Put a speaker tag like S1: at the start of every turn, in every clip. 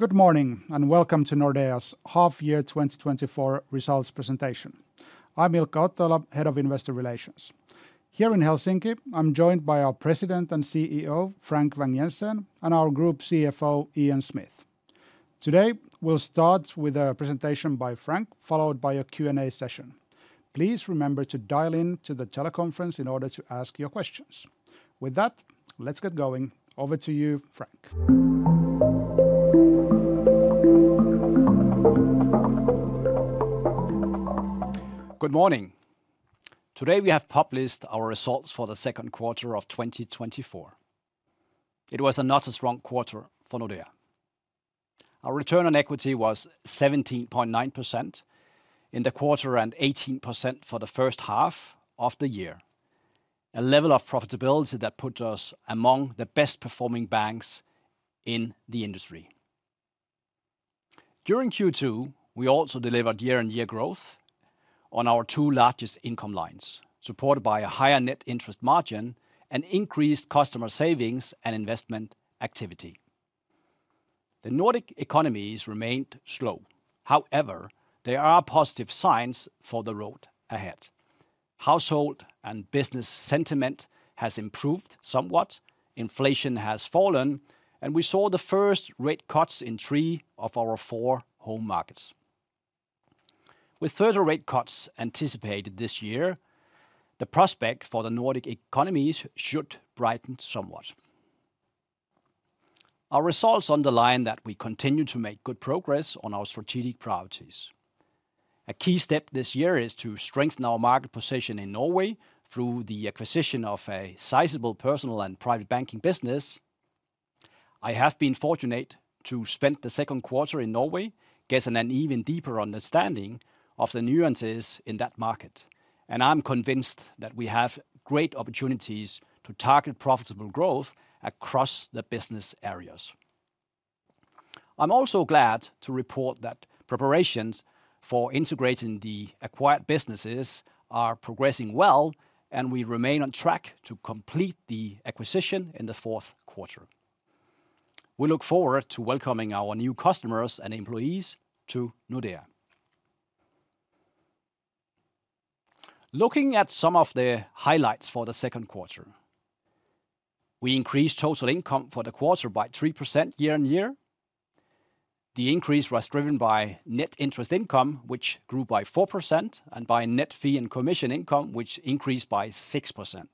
S1: Good morning, and welcome to Nordea's Half Year 2024 Results Presentation. I'm Ilkka Ottoila, Head of Investor Relations. Here in Helsinki, I'm joined by our President and CEO, Frank Vang-Jensen, and our Group CFO, Ian Smith. Today, we'll start with a presentation by Frank, followed by a Q&A session. Please remember to dial in to the teleconference in order to ask your questions. With that, let's get going. Over to you, Frank.
S2: Good morning! Today, we have published our results for the second quarter of 2024. It was another strong quarter for Nordea. Our return on equity was 17.9% in the quarter, and 18% for the first half of the year, a level of profitability that puts us among the best performing banks in the industry. During Q2, we also delivered year-on-year growth on our two largest income lines, supported by a higher net interest margin and increased customer savings and investment activity. The Nordic economies remained slow. However, there are positive signs for the road ahead. Household and business sentiment has improved somewhat, inflation has fallen, and we saw the first rate cuts in three of our four home markets. With further rate cuts anticipated this year, the prospect for the Nordic economies should brighten somewhat. Our results underline that we continue to make good progress on our strategic priorities. A key step this year is to strengthen our market position in Norway through the acquisition of a sizable Personal and Private Banking business. I have been fortunate to spend the second quarter in Norway, getting an even deeper understanding of the nuances in that market, and I'm convinced that we have great opportunities to target profitable growth across the business areas. I'm also glad to report that preparations for integrating the acquired businesses are progressing well, and we remain on track to complete the acquisition in the fourth quarter. We look forward to welcoming our new customers and employees to Nordea. Looking at some of the highlights for the second quarter, we increased total income for the quarter by 3% year-on-year. The increase was driven by net interest income, which grew by 4%, and by net fee and commission income, which increased by 6%.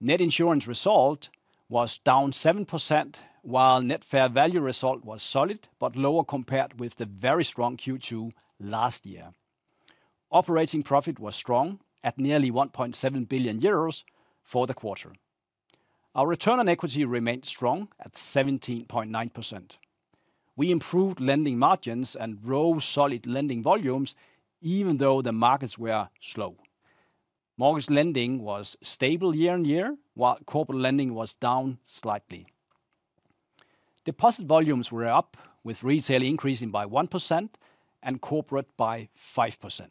S2: Net insurance result was down 7%, while net fair value result was solid, but lower compared with the very strong Q2 last year. Operating profit was strong at nearly 1.7 billion euros for the quarter. Our return on equity remained strong at 17.9%. We improved lending margins and grew solid lending volumes, even though the markets were slow. Mortgage lending was stable year-on-year, while corporate lending was down slightly. Deposit volumes were up, with retail increasing by 1% and corporate by 5%.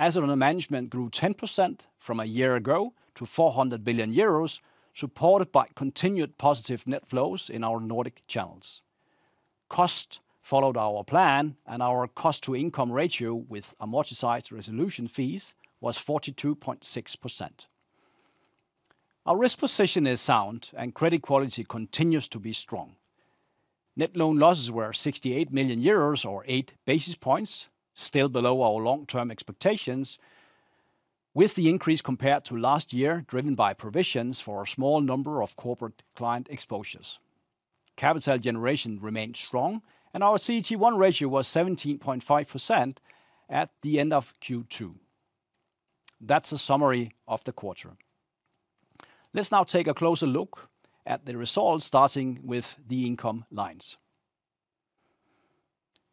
S2: Assets under management grew 10% from a year ago to 400 billion euros, supported by continued positive net flows in our Nordic channels. Costs followed our plan, and our cost-to-income ratio with amortized resolution fees was 42.6%. Our risk position is sound, and credit quality continues to be strong. Net loan losses were 68 million euros, or 8 basis points, still below our long-term expectations, with the increase compared to last year driven by provisions for a small number of corporate client exposures. Capital generation remained strong, and our CET1 ratio was 17.5% at the end of Q2. That's a summary of the quarter. Let's now take a closer look at the results, starting with the income lines.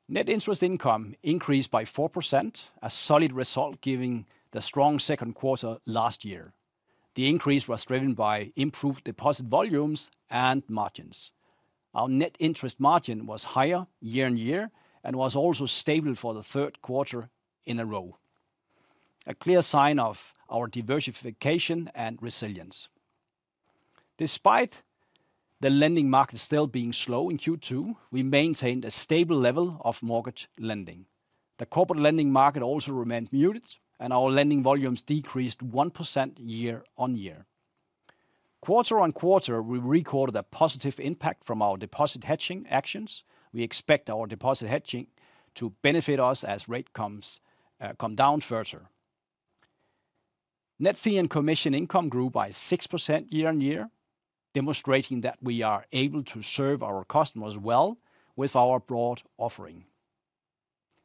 S2: Net interest income increased by 4%, a solid result, given the strong second quarter last year. The increase was driven by improved deposit volumes and margins. Our net interest margin was higher year-on-year and was also stable for the third quarter in a row, a clear sign of our diversification and resilience. Despite the lending market still being slow in Q2, we maintained a stable level of mortgage lending. The corporate lending market also remained muted, and our lending volumes decreased 1% year-on-year. Quarter-on-quarter, we recorded a positive impact from our deposit hedging actions. We expect our deposit hedging to benefit us as rates come down further. Net fee and commission income grew by 6% year-on-year, demonstrating that we are able to serve our customers well with our broad offering.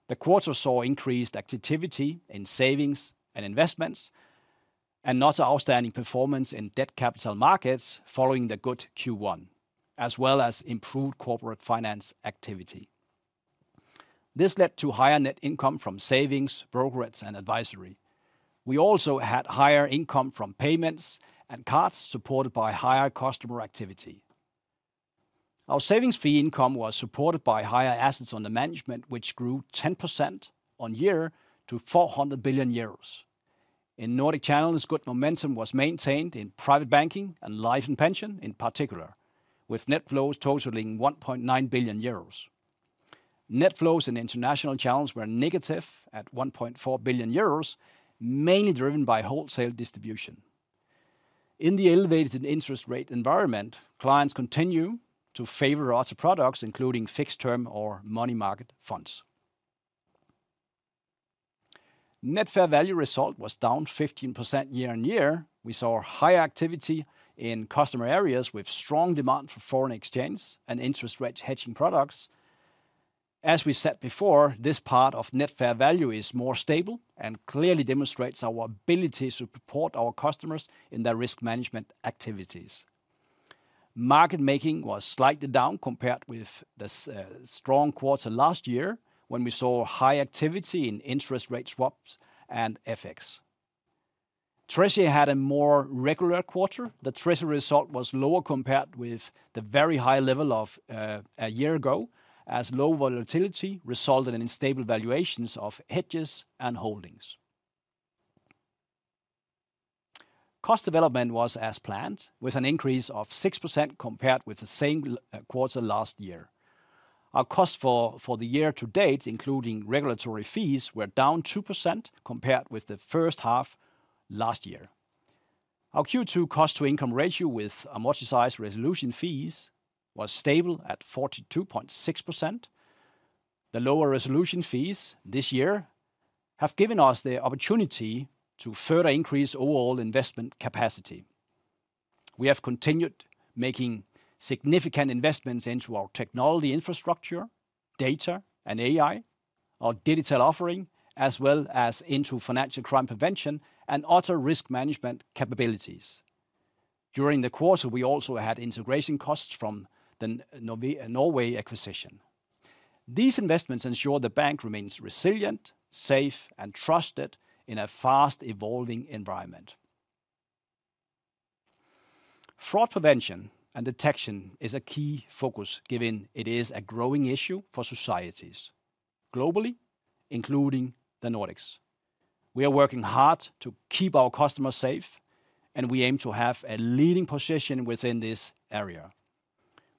S2: The quarter saw increased activity in savings and investments, and another outstanding performance in Debt Capital Markets following the good Q1, as well as improved Corporate Finance activity. This led to higher net income from savings, brokerages, and advisory. We also had higher income from payments and cards, supported by higher customer activity. Our savings fee income was supported by higher assets under management, which grew 10% year-over-year to 400 billion euros.... In Nordic channels, good momentum was maintained in Private Banking and Life & Pension in particular, with net flows totaling 1.9 billion euros. Net flows in international channels were negative at 1.4 billion euros, mainly driven by wholesale distribution. In the elevated interest rate environment, clients continue to favor other products, including fixed term or money market funds. Net fair value result was down 15% year-over-year. We saw high activity in customer areas with strong demand for foreign exchange and interest rate hedging products. As we said before, this part of net fair value is more stable and clearly demonstrates our ability to support our customers in their risk management activities. Market making was slightly down compared with the strong quarter last year, when we saw high activity in interest rate swaps and FX. Treasury had a more regular quarter. The treasury result was lower compared with the very high level of a year ago, as low volatility resulted in stable valuations of hedges and holdings. Cost development was as planned, with an increase of 6% compared with the same quarter last year. Our cost for the year to date, including regulatory fees, were down 2% compared with the first half last year. Our Q2 cost-to-income ratio with amortized resolution fees was stable at 42.6%. The lower resolution fees this year have given us the opportunity to further increase overall investment capacity. We have continued making significant investments into our technology infrastructure, data and AI, our digital offering, as well as into financial crime prevention and other risk management capabilities. During the quarter, we also had integration costs from the Norway acquisition. These investments ensure the bank remains resilient, safe, and trusted in a fast evolving environment. Fraud prevention and detection is a key focus, given it is a growing issue for societies globally, including the Nordics. We are working hard to keep our customers safe, and we aim to have a leading position within this area.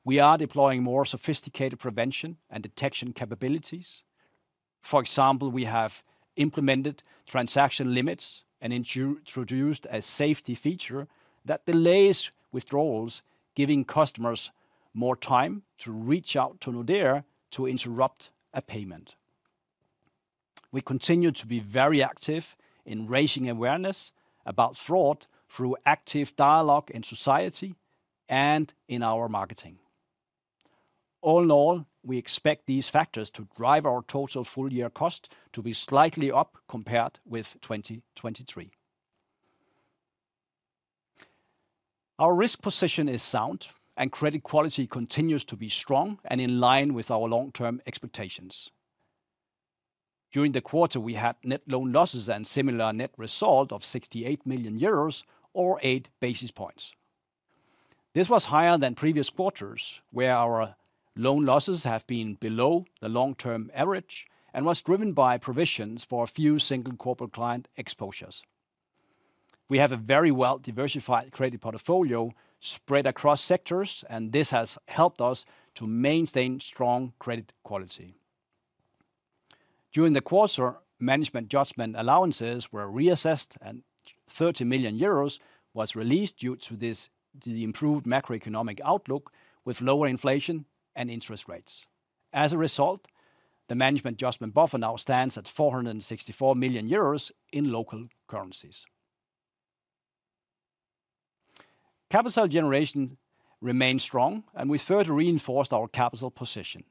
S2: We are deploying more sophisticated prevention and detection capabilities. For example, we have implemented transaction limits and introduced a safety feature that delays withdrawals, giving customers more time to reach out to Nordea to interrupt a payment. We continue to be very active in raising awareness about fraud through active dialogue in society and in our marketing. All in all, we expect these factors to drive our total full year cost to be slightly up compared with 2023. Our risk position is sound, and credit quality continues to be strong and in line with our long-term expectations. During the quarter, we had net loan losses and similar net result of 68 million euros or 8 basis points. This was higher than previous quarters, where our loan losses have been below the long-term average and was driven by provisions for a few single corporate client exposures. We have a very well-diversified credit portfolio spread across sectors, and this has helped us to maintain strong credit quality. During the quarter, management judgment allowances were reassessed, and 30 million euros was released due to this, to the improved macroeconomic outlook with lower inflation and interest rates. As a result, the management judgment buffer now stands at 464 million euros in local currencies. Capital generation remained strong, and we further reinforced our capital position.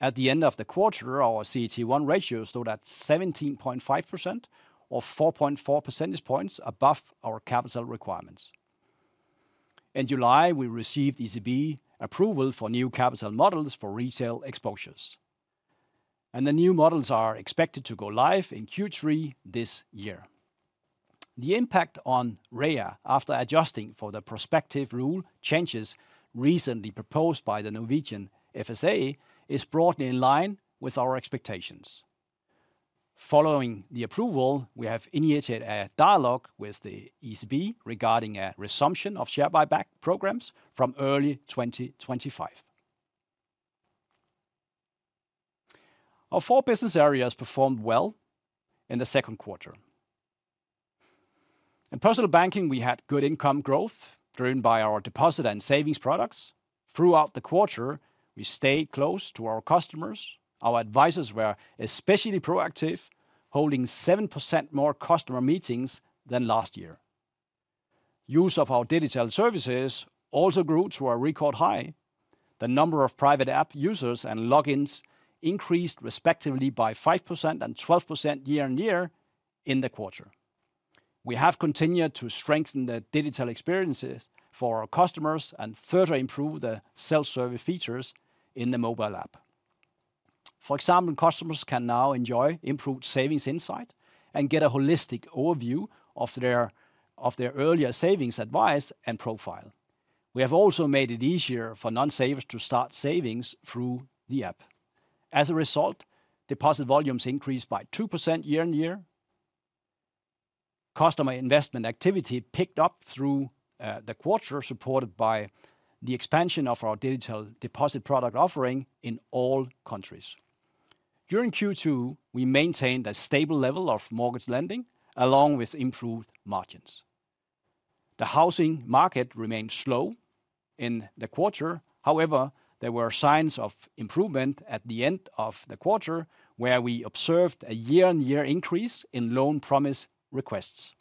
S2: At the end of the quarter, our CET1 ratio stood at 17.5% or 4.4 percentage points above our capital requirements. In July, we received ECB approval for new capital models for retail exposures, and the new models are expected to go live in Q3 this year. The impact on REA, after adjusting for the prospective rule changes recently proposed by the Norwegian FSA, is broadly in line with our expectations. Following the approval, we have initiated a dialogue with the ECB regarding a resumption of share buyback programs from early 2025. Our four business areas performed well in the second quarter. In Personal Banking, we had good income growth, driven by our deposit and savings products. Throughout the quarter, we stayed close to our customers. Our advisors were especially proactive, holding 7% more customer meetings than last year. Use of our digital services also grew to a record high. The number of private app users and logins increased, respectively, by 5% and 12% year on year in the quarter. We have continued to strengthen the digital experiences for our customers and further improve the self-service features in the mobile app. For example, customers can now enjoy improved savings insight and get a holistic overview of their earlier savings advice and profile. We have also made it easier for non-savers to start savings through the app. As a result, deposit volumes increased by 2% year-on-year. Customer investment activity picked up through the quarter, supported by the expansion of our digital deposit product offering in all countries. During Q2, we maintained a stable level of mortgage lending, along with improved margins. The housing market remained slow in the quarter. However, there were signs of improvement at the end of the quarter, where we observed a year-on-year increase in loan promise requests.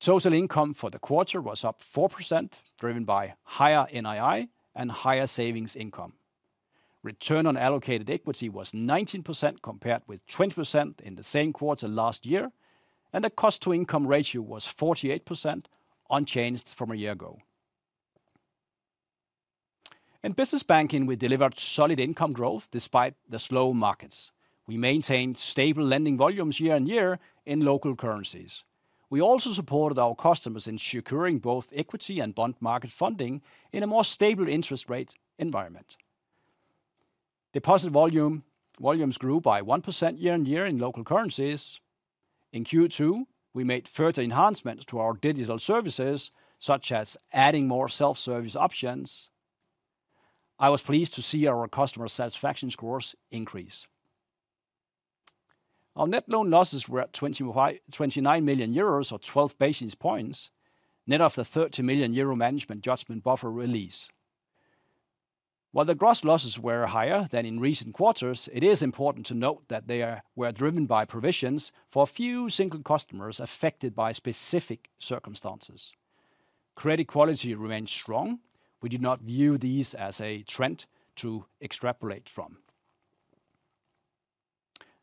S2: Total income for the quarter was up 4%, driven by higher NII and higher savings income. Return on allocated equity was 19%, compared with 20% in the same quarter last year, and the cost-to-income ratio was 48%, unchanged from a year ago. In Business Banking, we delivered solid income growth despite the slow markets. We maintained stable lending volumes year-on-year in local currencies. We also supported our customers in securing both equity and bond market funding in a more stable interest rate environment. Deposit volumes grew by 1% year-on-year in local currencies. In Q2, we made further enhancements to our digital services, such as adding more self-service options. I was pleased to see our customer satisfaction scores increase. Our net loan losses were at 29 million euros or 12 basis points, net of the 30 million euro management judgment buffer release. While the gross losses were higher than in recent quarters, it is important to note that they were driven by provisions for a few single customers affected by specific circumstances. Credit quality remains strong. We do not view these as a trend to extrapolate from.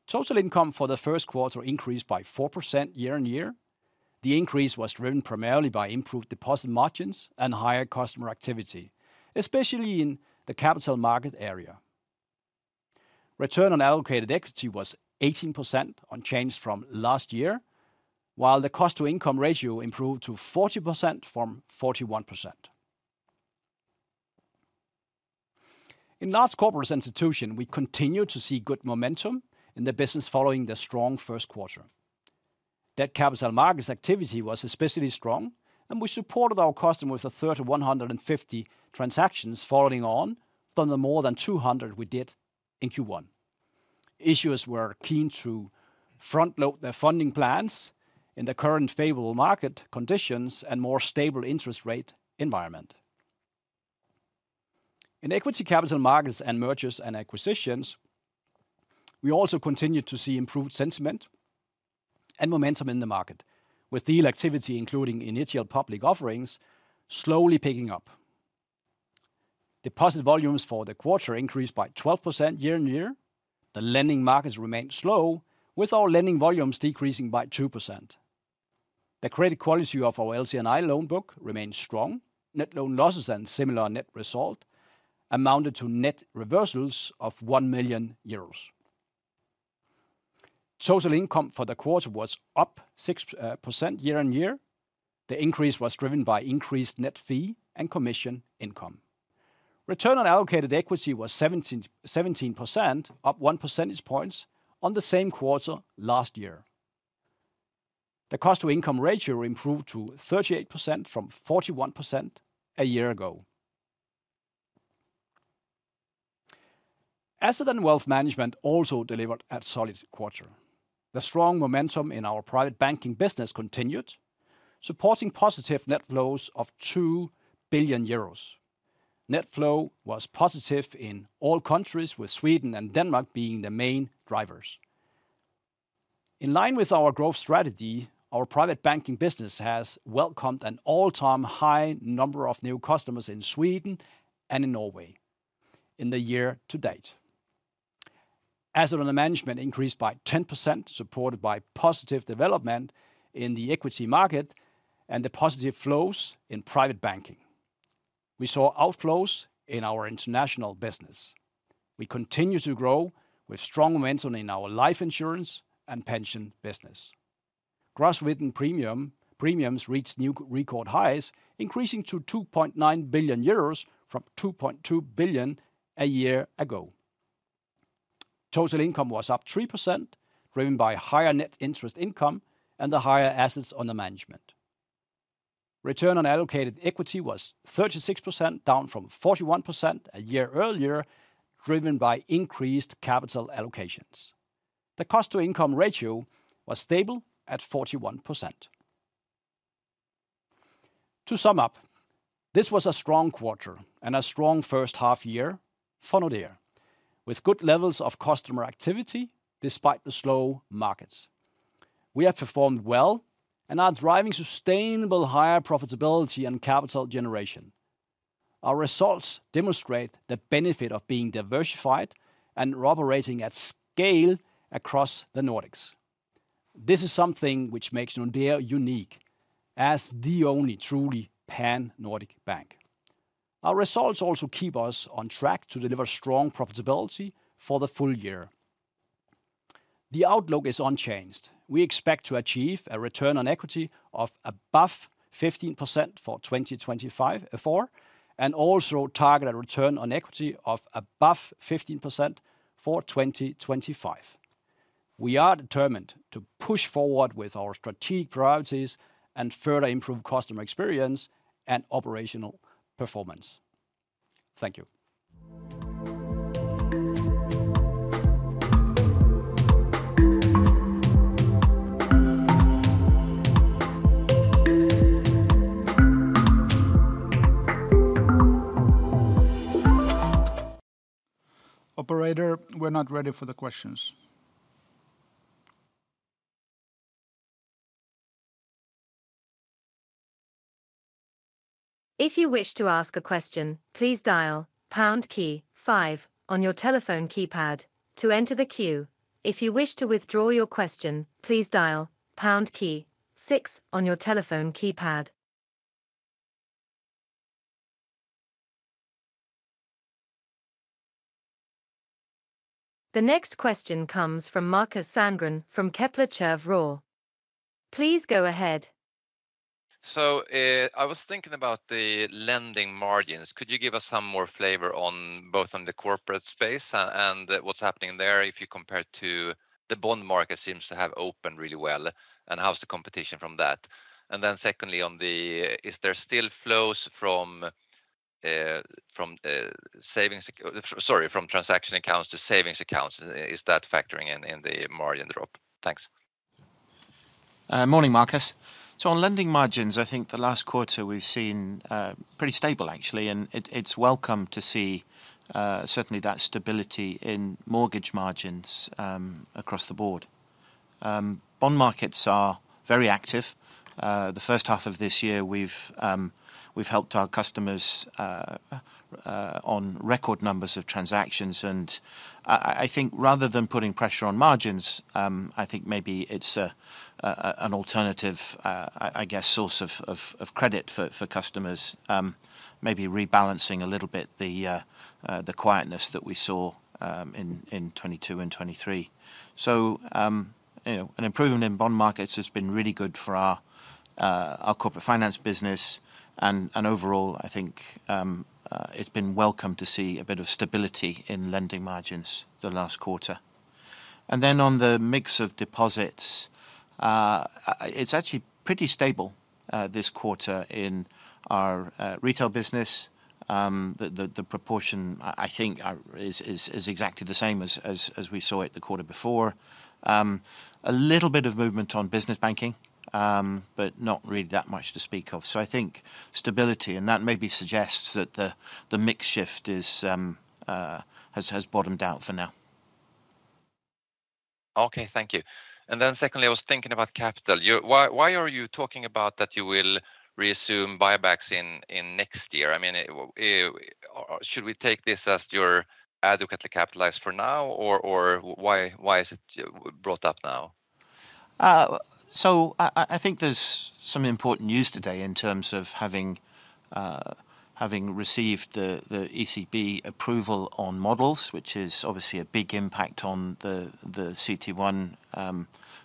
S2: Total income for the first quarter increased by 4% year-on-year. The increase was driven primarily by improved deposit margins and higher customer activity, especially in the capital market area. Return on allocated equity was 18%, unchanged from last year, while the cost-to-income ratio improved to 40% from 41%. In Large Corporates & Institutions, we continued to see good momentum in the business following the strong first quarter. Debt Capital Markets activity was especially strong, and we supported our customers with a third of 150 transactions following on from the more than 200 we did in Q1. Issuers were keen to front-load their funding plans in the current favorable market conditions and more stable interest rate environment. In Equity Capital Markets and mergers and acquisitions, we also continued to see improved sentiment and momentum in the market, with deal activity, including initial public offerings, slowly picking up. Deposit volumes for the quarter increased by 12% year-on-year. The lending markets remained slow, with our lending volumes decreasing by 2%. The credit quality of our LC&I loan book remains strong. Net loan losses and similar net result amounted to net reversals of 1 million euros. Total income for the quarter was up 6% year-on-year. The increase was driven by increased net fee and commission income. Return on allocated equity was 17%, 17%, up 1 percentage points on the same quarter last year. The cost-to-income ratio improved to 38% from 41% a year ago. Asset & Wealth Management also delivered a solid quarter. The strong momentum in our Private Banking business continued, supporting positive net flows of 2 billion euros. Net flow was positive in all countries, with Sweden and Denmark being the main drivers. In line with our growth strategy, our Private Banking business has welcomed an all-time high number of new customers in Sweden and in Norway in the year to date. Assets under management increased by 10%, supported by positive development in the equity market and the positive flows in Private Banking. We saw outflows in our international business. We continue to grow with strong momentum in our life insurance and pension business. Gross written premiums reached new record highs, increasing to 2.9 billion euros from 2.2 billion a year ago. Total income was up 3%, driven by higher Net Interest Income and the higher assets under management. Return on Allocated Equity was 36%, down from 41% a year earlier, driven by increased capital allocations. The cost-to-income ratio was stable at 41%. To sum up, this was a strong quarter and a strong first half year for Nordea, with good levels of customer activity despite the slow markets. We have performed well and are driving sustainable higher profitability and capital generation. Our results demonstrate the benefit of being diversified and operating at scale across the Nordics. This is something which makes Nordea unique as the only truly Pan-Nordic bank. Our results also keep us on track to deliver strong profitability for the full year. ...The outlook is unchanged. We expect to achieve a return on equity of above 15% for 2024, and also target a return on equity of above 15% for 2025. We are determined to push forward with our strategic priorities and further improve customer experience and operational performance. Thank you.
S1: Operator, we're now ready for the questions.
S3: If you wish to ask a question, please dial pound key five on your telephone keypad to enter the queue. If you wish to withdraw your question, please dial pound key six on your telephone keypad. The next question comes from Markus Sandgren from Kepler Cheuvreux. Please go ahead.
S4: So, I was thinking about the lending margins. Could you give us some more flavor on both on the corporate space and what's happening there if you compare to the bond market seems to have opened really well, and how's the competition from that? And then secondly, on the Is there still flows from transaction accounts to savings accounts? Is that factoring in the margin drop? Thanks.
S5: Morning, Marcus. So on lending margins, I think the last quarter we've seen pretty stable, actually. And it's welcome to see certainly that stability in mortgage margins across the board. Bond markets are very active. The first half of this year, we've helped our customers on record numbers of transactions. And I think rather than putting pressure on margins, I think maybe it's an alternative, I guess, source of credit for customers. Maybe rebalancing a little bit the quietness that we saw in 2022 and 2023. So, you know, an improvement in bond markets has been really good for our Corporate Finance business. Overall, I think it's been welcome to see a bit of stability in lending margins the last quarter. And then on the mix of deposits, it's actually pretty stable, this quarter in our retail business. The proportion, I think is exactly the same as we saw it the quarter before. A little bit of movement on Business Banking, but not really that much to speak of. So I think stability, and that maybe suggests that the mix shift has bottomed out for now.
S4: Okay. Thank you. And then secondly, I was thinking about capital. Why, why are you talking about that you will resume buybacks in next year? I mean, should we take this as you're adequately capitalized for now, or why is it brought up now?
S5: So I think there's some important news today in terms of having received the ECB approval on models, which is obviously a big impact on the CET1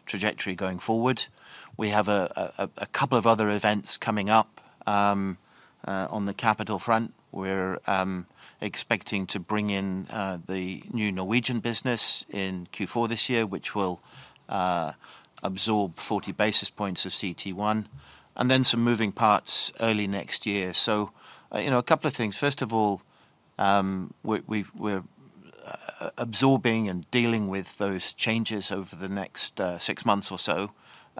S5: trajectory going forward. We have a couple of other events coming up on the capital front. We're expecting to bring in the new Norwegian business in Q4 this year, which will absorb 40 basis points of CET1, and then some moving parts early next year. So you know, a couple of things. First of all, we're absorbing and dealing with those changes over the next six months or so.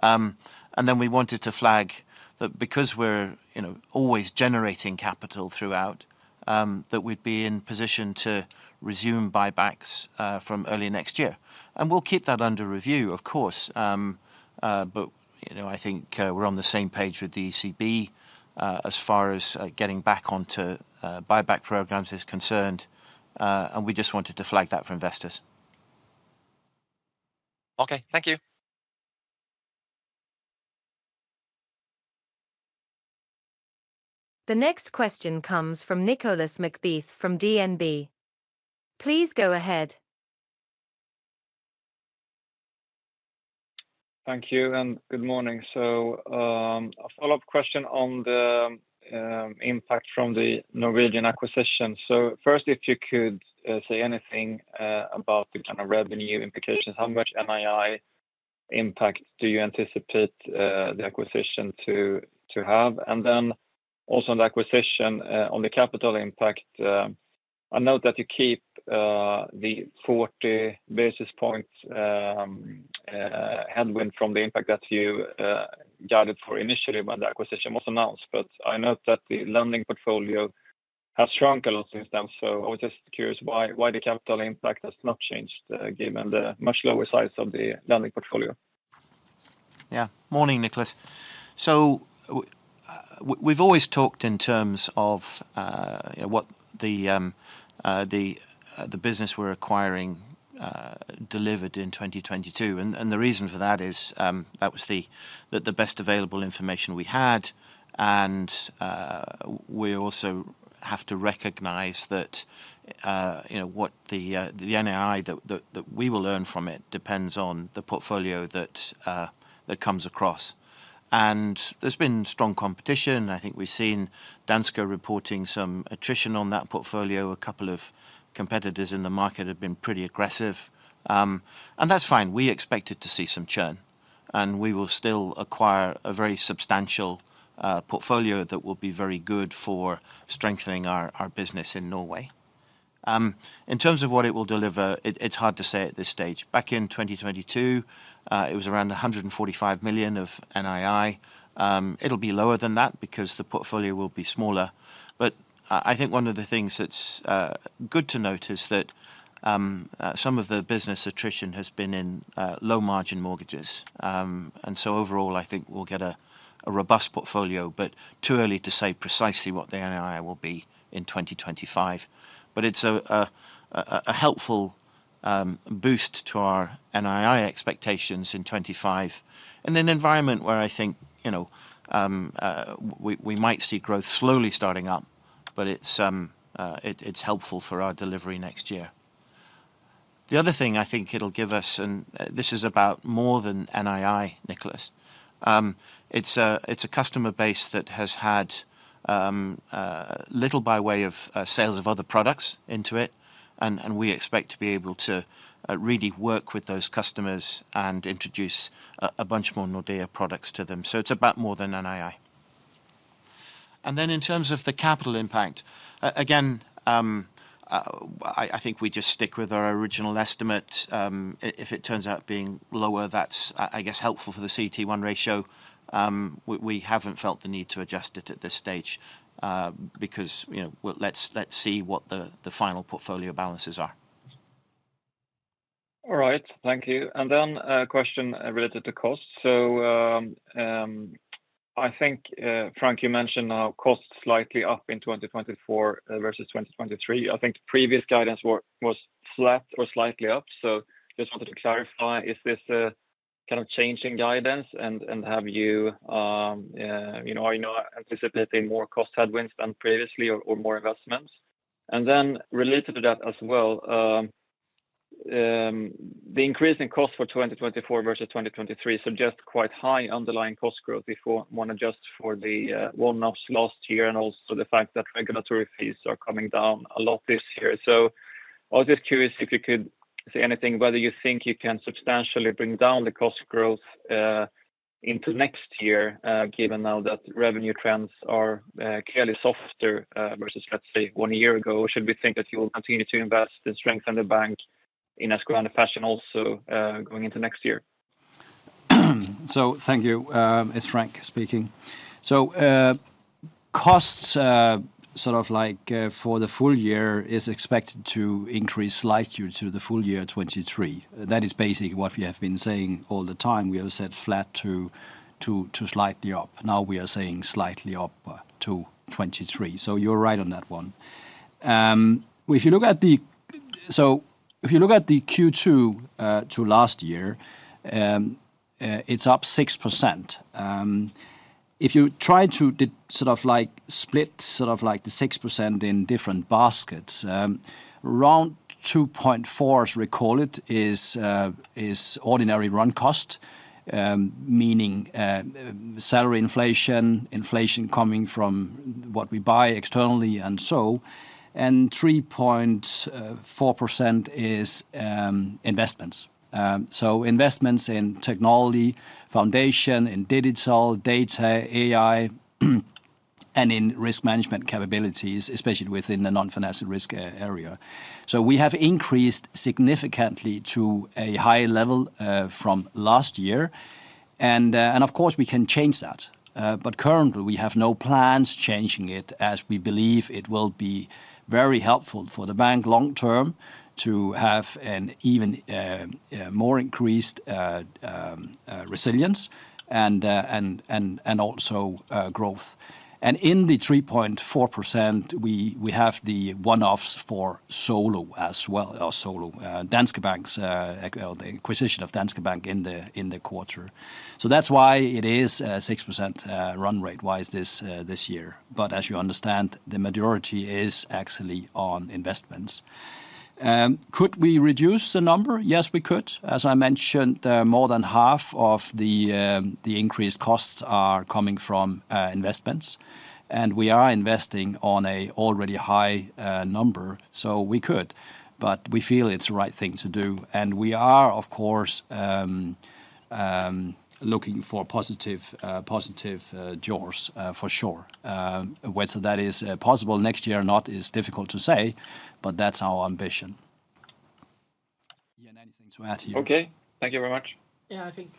S5: And then we wanted to flag that because we're you know, always generating capital throughout that we'd be in position to resume buybacks from early next year. We'll keep that under review, of course. But you know, I think we're on the same page with the ECB as far as getting back onto buyback programs is concerned, and we just wanted to flag that for investors.
S4: Okay. Thank you.
S3: The next question comes from Nicolas McBeath from DNB. Please go ahead.
S6: Thank you, and good morning. So, a follow-up question on the impact from the Norwegian acquisition. So first, if you could say anything about the kind of revenue implications, how much NII impact do you anticipate the acquisition to have? And then also on the acquisition, on the capital impact, I know that you keep the 40 basis points headwind from the impact that you guided for initially when the acquisition was announced, but I note that the lending portfolio has shrunk a lot since then. So I was just curious why the capital impact has not changed, given the much lower size of the lending portfolio.
S5: Yeah. Morning, Nicolas. So we've always talked in terms of what the business we're acquiring delivered in 2022. And the reason for that is that was the best available information we had, and we also have to recognize that you know what the NII that we will learn from it depends on the portfolio that comes across. And there's been strong competition. I think we've seen Danske reporting some attrition on that portfolio. A couple of competitors in the market have been pretty aggressive. And that's fine. We expected to see some churn, and we will still acquire a very substantial portfolio that will be very good for strengthening our business in Norway. In terms of what it will deliver, it's hard to say at this stage. Back in 2022, it was around 145 million of NII. It'll be lower than that because the portfolio will be smaller. But I think one of the things that's good to note is that some of the business attrition has been in low-margin mortgages. And so overall, I think we'll get a helpful boost to our NII expectations in 2025, in an environment where I think, you know, we might see growth slowly starting up, but it's helpful for our delivery next year. The other thing I think it'll give us, and this is about more than NII, Nicholas. It's a customer base that has had little by way of sales of other products into it, and we expect to be able to really work with those customers and introduce a bunch more Nordea products to them, so it's about more than NII. And then, in terms of the capital impact, again, I think we just stick with our original estimate. If it turns out being lower, that's, I guess, helpful for the CET1 ratio. We haven't felt the need to adjust it at this stage, because, you know, well, let's see what the final portfolio balances are.
S6: All right. Thank you. And then a question related to cost. So, I think, Frank, you mentioned now cost slightly up in 2024, versus 2023. I think the previous guidance was flat or slightly up, so just wanted to clarify, is this a kind of changing guidance? And have you, you know... Are you now anticipating more cost headwinds than previously or more investments? And then related to that as well, the increase in cost for 2024 versus 2023 suggest quite high underlying cost growth before one adjusts for the, one-offs last year, and also the fact that regulatory fees are coming down a lot this year. I was just curious if you could say anything, whether you think you can substantially bring down the cost growth, into next year, given now that revenue trends are, clearly softer, versus, let's say, one year ago. Or should we think that you will continue to invest and strengthen the bank in a grounded fashion also, going into next year?
S2: So thank you. It's Frank speaking. So, costs, sort of like, for the full year, is expected to increase slightly to the full year 2023. That is basically what we have been saying all the time. We have said flat to slightly up. Now we are saying slightly up to 2023. So you're right on that one. If you look at the Q2 to last year, it's up 6%. If you try to sort of like split, sort of like the 6% in different baskets, around 2.4, as I recall it, is ordinary run cost, meaning, salary inflation, inflation coming from what we buy externally, and so, and 3.4% is investments. So investments in technology, foundation, in digital, data, AI, and in risk management capabilities, especially within the non-financial risk area. So we have increased significantly to a high level from last year. And of course, we can change that. But currently, we have no plans changing it, as we believe it will be very helpful for the bank long term to have an even more increased resilience and also growth. And in the 3.4%, we have the one-offs for Oslo as well. Oslo, Danske Bank's or the acquisition of Danske Bank in the quarter. So that's why it is a 6% run rate-wise this year. But as you understand, the majority is actually on investments. Could we reduce the number? Yes, we could. As I mentioned, more than half of the increased costs are coming from investments, and we are investing on a already high number, so we could, but we feel it's the right thing to do. And we are, of course, looking for positive jaws for sure. Whether that is possible next year or not is difficult to say, but that's our ambition. Ian, anything to add here?
S6: Okay. Thank you very much.
S5: Yeah, I think,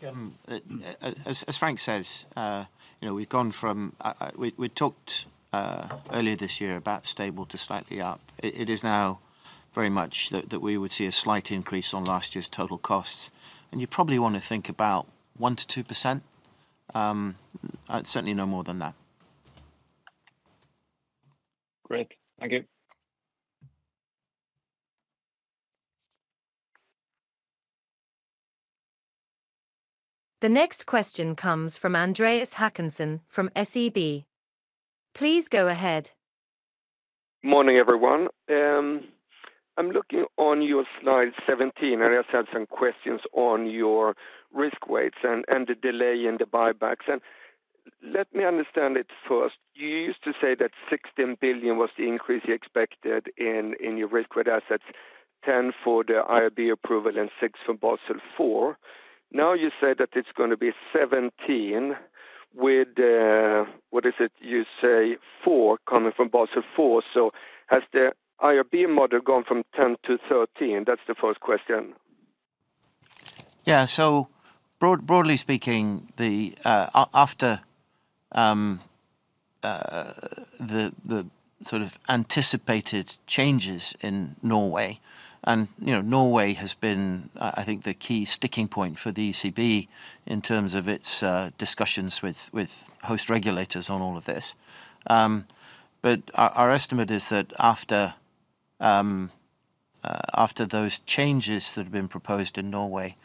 S5: as Frank says, you know, we've gone from. We talked earlier this year about stable to slightly up. It is now very much that we would see a slight increase on last year's total costs, and you probably want to think about 1%-2%. Certainly no more than that....
S6: Great. Thank you.
S3: The next question comes from Andreas Håkansson from SEB. Please go ahead.
S7: Morning, everyone. I'm looking on your slide 17, and I just had some questions on your risk weights and the delay in the buybacks. Let me understand it first. You used to say that 16 billion was the increase you expected in your risk-weighted assets, 10 billion for the IRB approval and 6 billion from Basel IV. Now you said that it's going to be 17 billion with what is it you say, 4 billion coming from Basel IV. So has the IRB model gone from 10 billion to 13 billion? That's the first question.
S5: Yeah. So broadly speaking, after the sort of anticipated changes in Norway, and you know, Norway has been, I think, the key sticking point for the ECB in terms of its discussions with host regulators on all of this. But our estimate is that after those changes that have been proposed in Norway,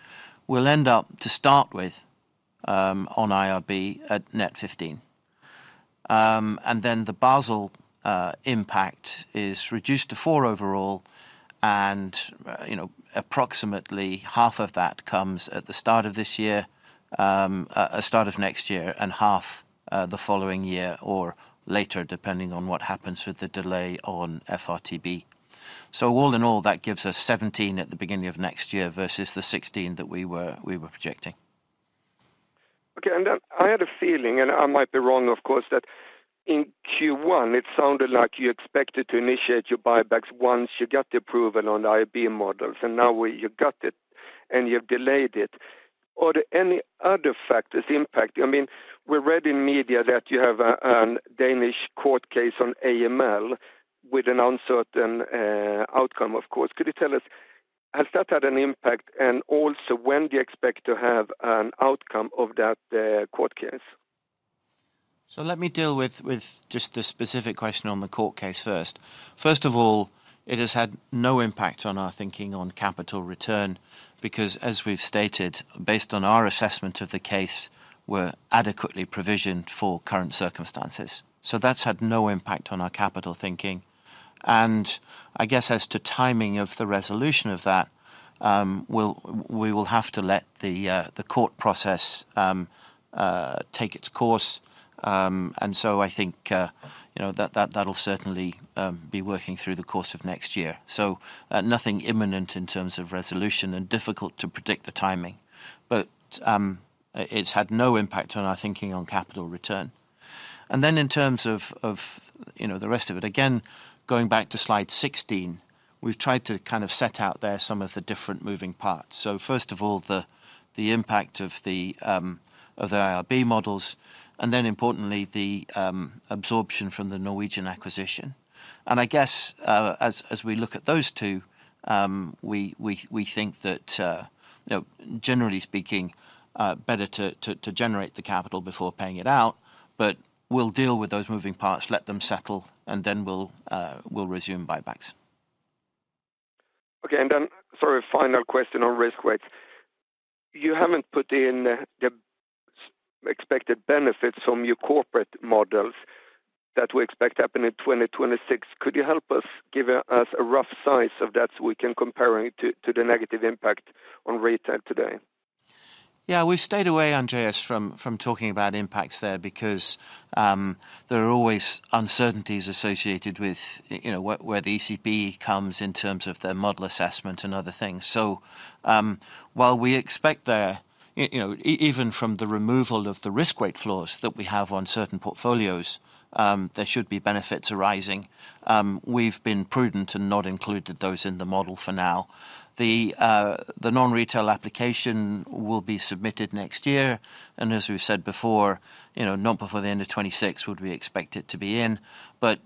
S5: we'll end up to start with on IRB at net 15. And then the Basel impact is reduced to 4 overall, and you know, approximately half of that comes at the start of this year, at start of next year, and half the following year or later, depending on what happens with the delay on FRTB. All in all, that gives us 17 at the beginning of next year versus the 16 that we were projecting.
S7: Okay. And then I had a feeling, and I might be wrong, of course, that in Q1, it sounded like you expected to initiate your buybacks once you got the approval on the IRB models, and now you got it, and you've delayed it. Are there any other factors impacting? I mean, we read in media that you have a Danish court case on AML with an uncertain outcome, of course. Could you tell us, has that had an impact? And also, when do you expect to have an outcome of that court case?
S5: So let me deal with just the specific question on the court case first. First of all, it has had no impact on our thinking on capital return, because as we've stated, based on our assessment of the case, we're adequately provisioned for current circumstances. So that's had no impact on our capital thinking. And I guess as to timing of the resolution of that, we'll have to let the court process take its course. And so I think, you know, that that'll certainly be working through the course of next year. So, nothing imminent in terms of resolution and difficult to predict the timing. But, it's had no impact on our thinking on capital return. And then in terms of you know, the rest of it, again, going back to slide 16, we've tried to kind of set out there some of the different moving parts. So first of all, the impact of the IRB models, and then importantly, the absorption from the Norwegian acquisition. And I guess, as we look at those two, we think that you know, generally speaking, better to generate the capital before paying it out. But we'll deal with those moving parts, let them settle, and then we'll resume buybacks.
S7: Okay. And then for a final question on risk weights. You haven't put in the expected benefits from your corporate models that we expect to happen in 2026. Could you help us give us a rough size of that, so we can compare it to the negative impact on retail today?
S5: Yeah, we stayed away, Andreas, from talking about impacts there because there are always uncertainties associated with, you know, where the ECB comes in terms of their model assessment and other things. So, while we expect there, you know, even from the removal of the risk weight floors that we have on certain portfolios, there should be benefits arising. We've been prudent and not included those in the model for now. The non-retail application will be submitted next year, and as we've said before, you know, not before the end of 2026 would we expect it to be in. But,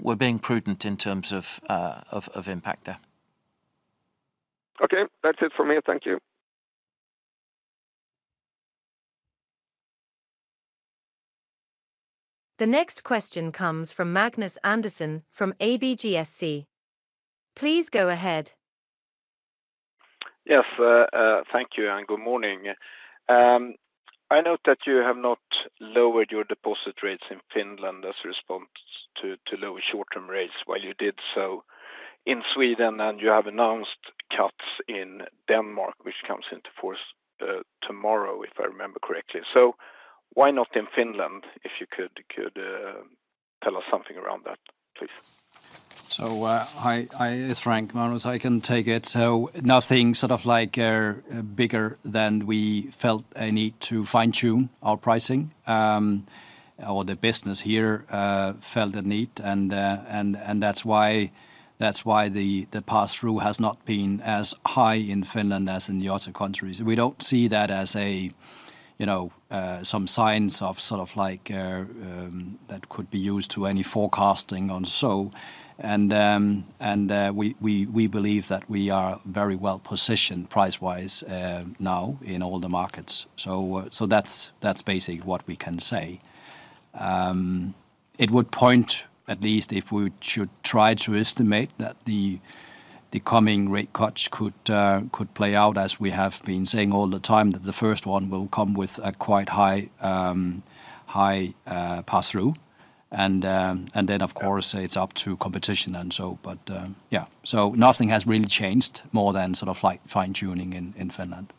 S5: we're being prudent in terms of impact there.
S7: Okay. That's it for me. Thank you.
S3: The next question comes from Magnus Andersson from ABGSC. Please go ahead.
S8: Yes, thank you, and good morning. I note that you have not lowered your deposit rates in Finland as a response to lower short-term rates, while you did so in Sweden, and you have announced cuts in Denmark, which comes into force tomorrow, if I remember correctly. So why not in Finland? If you could tell us something around that, please.
S2: So, It's Frank, Magnus, I can take it. So nothing sort of like bigger than we felt a need to fine-tune our pricing, or the business here felt a need, and that's why the pass-through has not been as high in Finland as in the other countries. We don't see that as a, you know, some signs of sort of like that could be used to any forecasting on so. And we believe that we are very well positioned price-wise now in all the markets. So that's basically what we can say. It would point, at least if we should try to estimate, that the coming rate cuts could play out, as we have been saying all the time, that the first one will come with a quite high pass-through. And then, of course, it's up to competition, and so, but... Yeah, so nothing has really changed more than sort of like fine-tuning in Finland.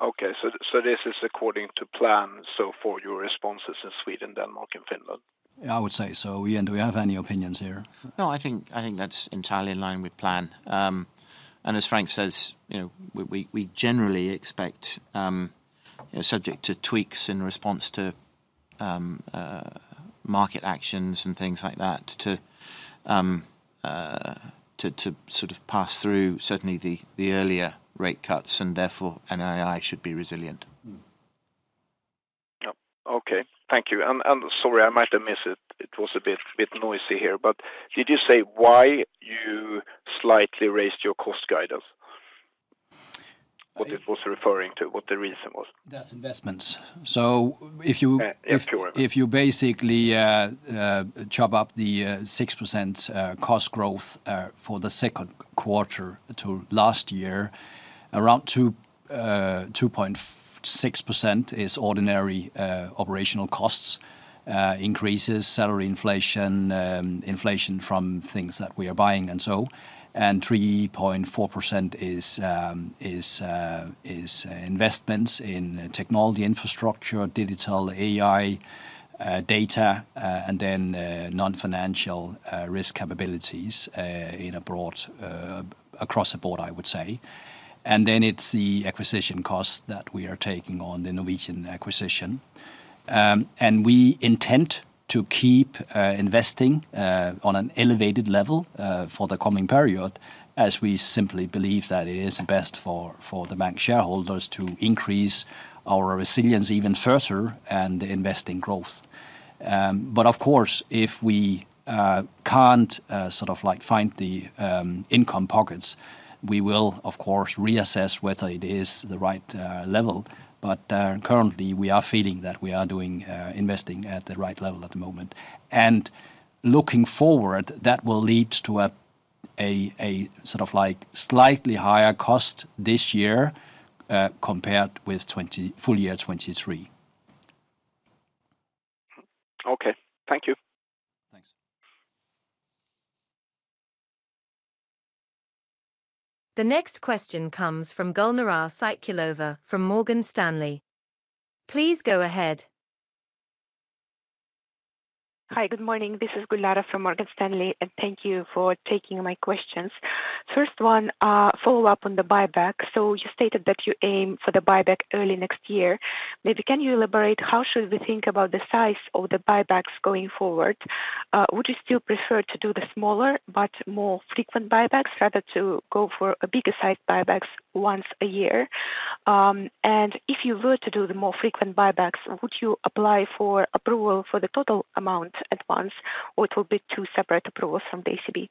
S8: Okay, so this is according to plan, so for your responses in Sweden, Denmark, and Finland?
S2: Yeah, I would say so. Ian, do we have any opinions here?
S5: No, I think that's entirely in line with plan. And as Frank says, you know, we generally expect, subject to tweaks in response to market actions and things like that, to sort of pass through certainly the earlier rate cuts, and therefore NII should be resilient.
S8: Mm-hmm. Yep, okay. Thank you. Sorry, I might have missed it. It was a bit noisy here, but did you say why you slightly raised your cost guidance? What it was referring to, what the reason was.
S2: That's investments. So if you- Yeah, if you were. If you basically chop up the 6% cost growth for the second quarter to last year, around 2.6% is ordinary operational costs increases, salary inflation, inflation from things that we are buying, and so... And 3.4% is investments in technology, infrastructure, digital, AI, data, and then non-financial risk capabilities across the board, I would say. And then it's the acquisition costs that we are taking on, the Norwegian acquisition. And we intend to keep investing on an elevated level for the coming period, as we simply believe that it is best for the bank shareholders to increase our resilience even further and invest in growth. But of course, if we can't sort of like find the income pockets, we will, of course, reassess whether it is the right level. But currently, we are feeling that we are doing investing at the right level at the moment. And looking forward, that will lead to a sort of like slightly higher cost this year, compared with full year 2023.
S8: Okay. Thank you.
S2: Thanks.
S3: The next question comes from Gulnara Saitkulova from Morgan Stanley. Please go ahead.
S9: Hi, good morning. This is Gulnara from Morgan Stanley, and thank you for taking my questions. First one, follow up on the buyback. So you stated that you aim for the buyback early next year. Maybe can you elaborate, how should we think about the size of the buybacks going forward? Would you still prefer to do the smaller but more frequent buybacks, rather to go for a bigger size buybacks once a year? And if you were to do the more frequent buybacks, would you apply for approval for the total amount at once, or it will be two separate approvals from the ECB?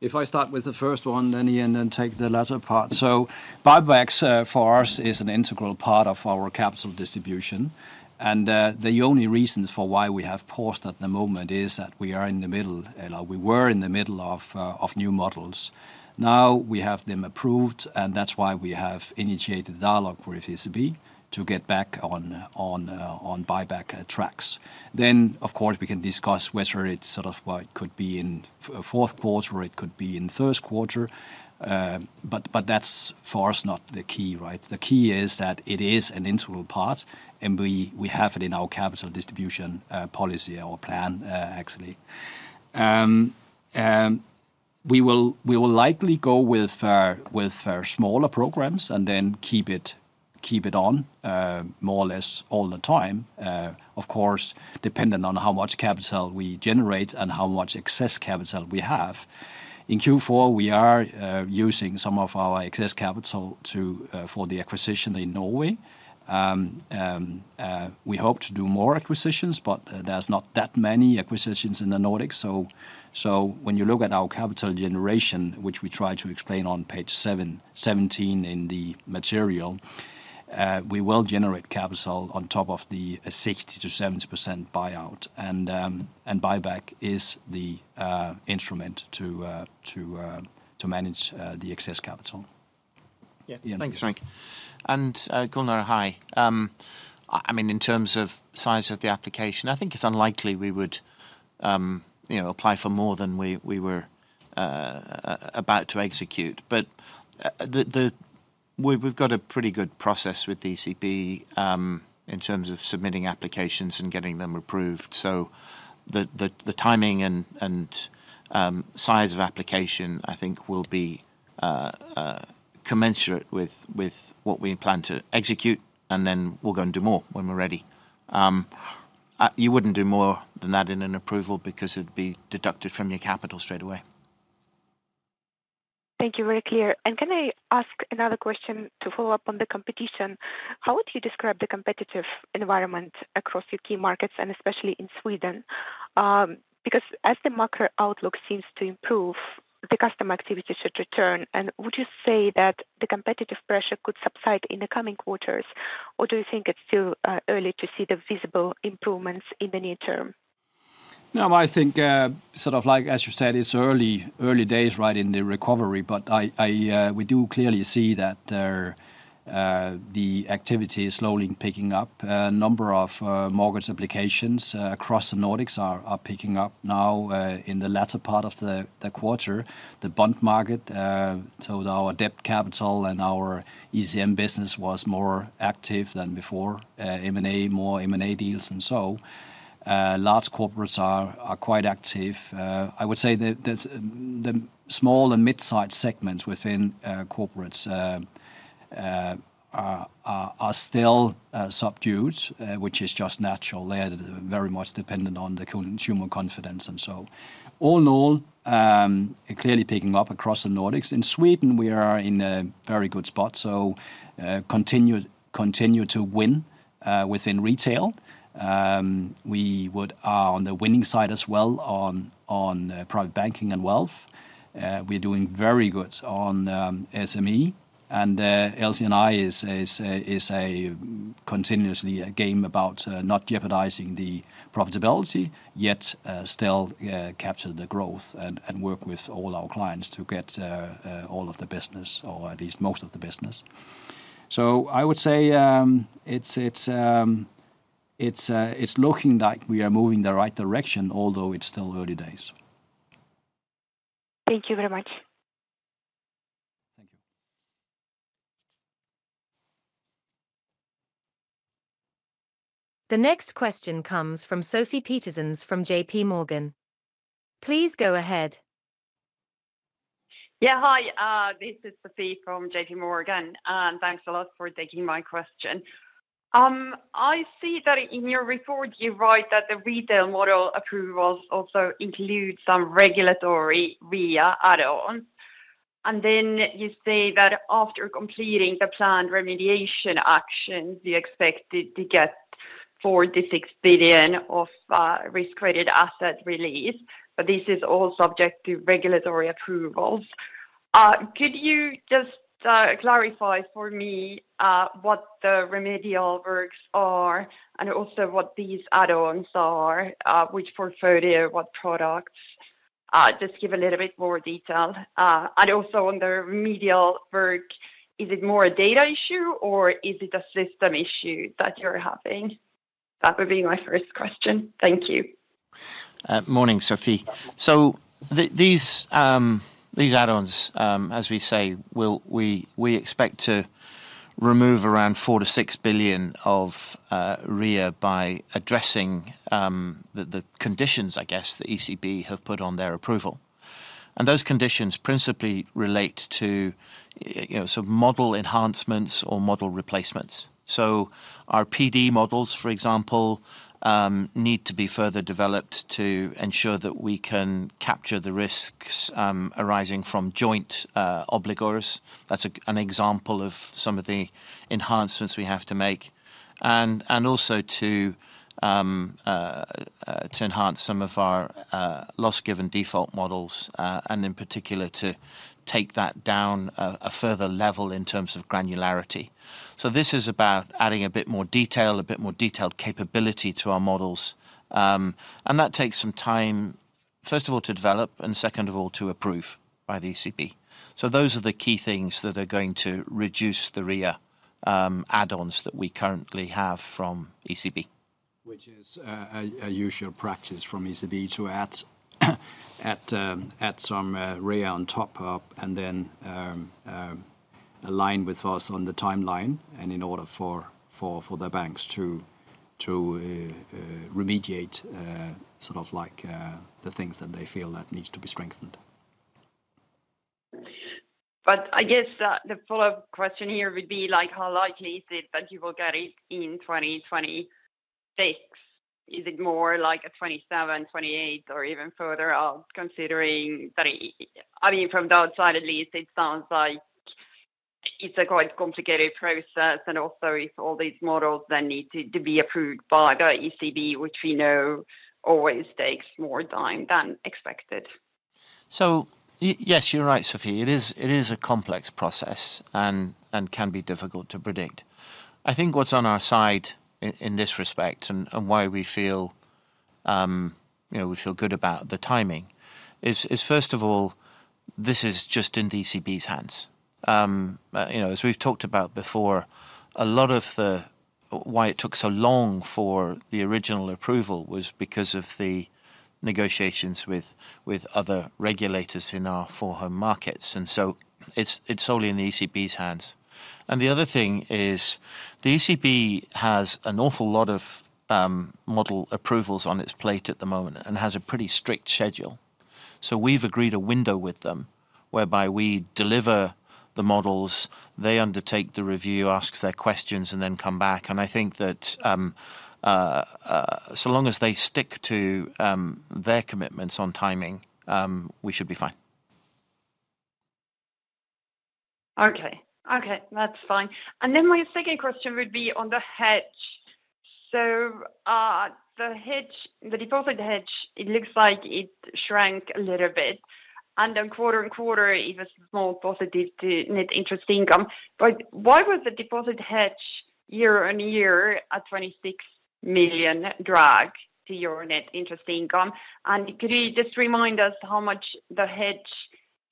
S2: If I start with the first one, then Ian, and take the latter part. So buybacks, for us, is an integral part of our capital distribution, and, the only reason for why we have paused at the moment is that we were in the middle of new models. Now, we have them approved, and that's why we have initiated the dialogue with ECB to get back on buyback tracks. Then, of course, we can discuss whether it's sort of, well, it could be in fourth quarter, it could be in first quarter, but that's, for us, not the key, right? The key is that it is an integral part, and we have it in our capital distribution policy or plan, actually. We will likely go with smaller programs and then keep it on more or less all the time. Of course, dependent on how much capital we generate and how much excess capital we have. In Q4, we are using some of our excess capital for the acquisition in Norway. We hope to do more acquisitions, but there's not that many acquisitions in the Nordics. So when you look at our capital generation, which we try to explain on page 17 in the material, we will generate capital on top of the 60%-70% buyout. And buyback is the instrument to manage the excess capital.
S5: Yeah. Thanks, Frank. And Gulnara, hi. I mean, in terms of size of the application, I think it's unlikely we would, you know, apply for more than we were about to execute. But the... We've got a pretty good process with the ECB in terms of submitting applications and getting them approved. So the timing and size of application, I think, will be commensurate with what we plan to execute, and then we'll go and do more when we're ready. You wouldn't do more than that in an approval because it'd be deducted from your capital straight away. ...
S9: Thank you. Very clear. And can I ask another question to follow up on the competition? How would you describe the competitive environment across your key markets, and especially in Sweden? Because as the market outlook seems to improve, the customer activity should return. And would you say that the competitive pressure could subside in the coming quarters, or do you think it's still early to see the visible improvements in the near term?
S2: No, I think sort of like, as you said, it's early, early days, right, in the recovery. But we do clearly see that there the activity is slowly picking up. A number of mortgage applications across the Nordics are picking up now in the latter part of the quarter. The bond market, so our debt capital and our ECM business was more active than before. M&A, more M&A deals, and so large corporates are quite active. I would say that there's the small and mid-sized segments within corporates are still subdued, which is just natural. They're very much dependent on the consumer confidence, and so all in all, clearly picking up across the Nordics. In Sweden, we are in a very good spot, so continue to win within retail. We are on the winning side as well on Private Banking and wealth. We're doing very good on SME, and LC&I is continuously a game about not jeopardizing the profitability, yet still capture the growth and work with all our clients to get all of the business, or at least most of the business. So I would say, it's looking like we are moving in the right direction, although it's still early days.
S9: Thank you very much.
S2: Thank you.
S3: The next question comes from Sofie Peterzens from J.P. Morgan. Please go ahead.
S10: Yeah, hi, this is Sofie from J.P. Morgan, and thanks a lot for taking my question. I see that in your report, you write that the retail model approvals also include some regulatory REA add-ons. And then you say that after completing the planned remediation action, you expected to get 4 billion-6 billion of risk-weighted asset release, but this is all subject to regulatory approvals. Could you just clarify for me what the remedial works are, and also what these add-ons are? Which portfolio, what products? Just give a little bit more detail. And also on the remedial work, is it more a data issue or is it a system issue that you're having? That would be my first question. Thank you.
S5: Morning, Sofie. So these add-ons, as we say, we expect to remove around 4 billion-6 billion of RWA by addressing the conditions, I guess, the ECB have put on their approval. And those conditions principally relate to, you know, so model enhancements or model replacements. So our PD models, for example, need to be further developed to ensure that we can capture the risks arising from joint obligors. That's an example of some of the enhancements we have to make. And also to enhance some of our loss given default models, and in particular, to take that down a further level in terms of granularity. So this is about adding a bit more detail, a bit more detailed capability to our models. And that takes some time, first of all, to develop, and second of all, to approve by the ECB. So those are the key things that are going to reduce the REA add-ons that we currently have from ECB.
S2: Which is a usual practice from ECB to add some REA on top of, and then align with us on the timeline and in order for the banks to remediate sort of like the things that they feel that needs to be strengthened.
S10: But I guess the follow-up question here would be like, how likely is it that you will get it in 2026? Is it more like a 2027, 2028, or even further out, considering that... I mean, from the outside at least, it sounds like it's a quite complicated process, and also if all these models then need to be approved by the ECB, which we know always takes more time than expected.
S5: Yes, you're right, Sofie. It is a complex process and can be difficult to predict. I think what's on our side in this respect and why we feel, you know, we feel good about the timing is first of all, this is just in the ECB's hands. You know, as we've talked about before, a lot of the why it took so long for the original approval was because of the negotiations with other regulators in our four home markets, and so it's solely in the ECB's hands. And the other thing is, the ECB has an awful lot of model approvals on its plate at the moment and has a pretty strict schedule. So we've agreed a window with them, whereby we deliver-... The models, they undertake the review, asks their questions, and then come back. I think that so long as they stick to their commitments on timing, we should be fine.
S10: Okay. Okay, that's fine. And then my second question would be on the hedge. So, the hedge, the deposit hedge, it looks like it shrank a little bit, and then quarter-on-quarter, it was small positive to net interest income. But why was the deposit hedge year-on-year at 26 million drag to your net interest income? And could you just remind us how much the hedge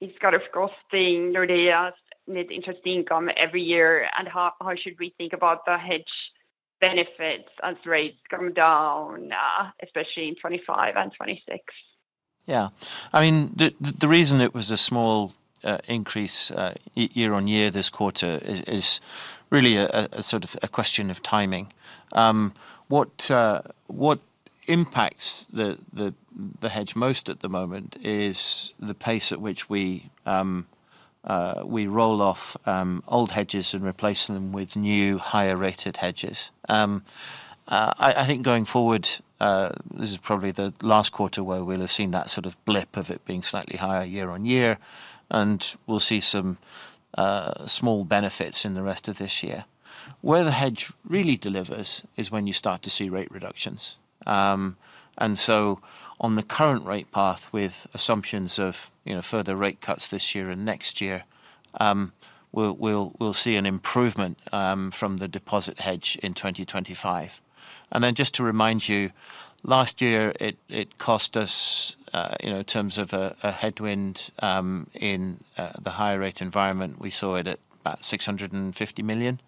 S10: is kind of costing Nordea's net interest income every year? And how should we think about the hedge benefits as rates come down, especially in 2025 and 2026?
S5: Yeah. I mean, the reason it was a small increase year-over-year this quarter is really a sort of question of timing. What impacts the hedge most at the moment is the pace at which we roll off old hedges and replace them with new, higher-rated hedges. I think going forward this is probably the last quarter where we'll have seen that sort of blip of it being slightly higher year-over-year, and we'll see some small benefits in the rest of this year. Where the hedge really delivers is when you start to see rate reductions. And so on the current rate path, with assumptions of, you know, further rate cuts this year and next year, we'll see an improvement from the deposit hedge in 2025. And then just to remind you, last year, it cost us, you know, in terms of a headwind, in the higher rate environment, we saw it at about 650 million.